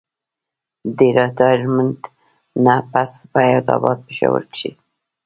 د ريټائرمنټ نه پس پۀ حيات اباد پېښور کښې